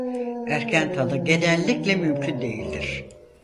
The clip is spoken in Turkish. Erken tanı genellikle mümkün değildir.